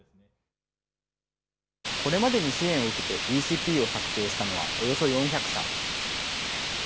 これまでに支援を受けてＢＣＰを策定したのはおよそ４００社。